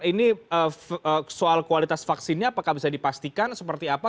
ini soal kualitas vaksinnya apakah bisa dipastikan seperti apa